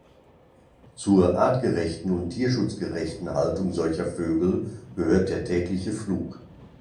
Zur artgerechten und tierschutzgerechten Haltung solcher Vögel gehört der tägliche Flug.